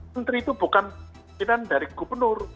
menteri itu bukan pimpinan dari gubernur